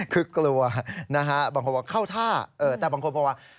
คือกลัวนะฮะบางคนบอกเข้าท่าแต่บางคนบอกว่า